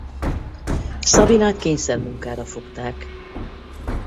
Sabinát kényszermunkára fogták.